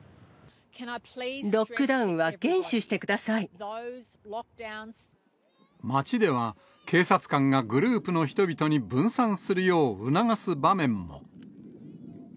ロックダウンは厳守してくだ街では、警察官がグループの人々に分散するよう促す場面も。